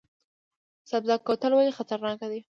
سبزک کوتل ولې خطرناک دی؟